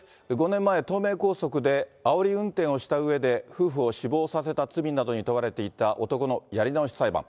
５年前、東名高速であおり運転をしたうえで、夫婦を死亡させた罪などに問われていた男のやり直し裁判。